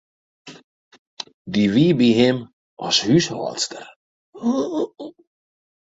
Dy wie by him as húshâldster.